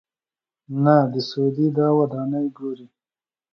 نه د سعودي دا ودانۍ ګوري.